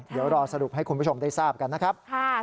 เดี๋ยวรอสรุปให้คุณผู้ชมได้ทราบกันนะครับ